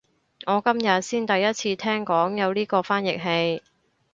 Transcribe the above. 我今日先第一次聽講有呢個翻譯器